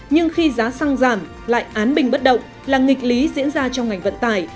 nhưng khi giá xăng giảm lại án bình bất động là nghịch lý diễn ra trong ngành vận tải